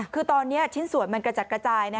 คือตอนนี้ชิ้นส่วนมันกระจัดกระจาย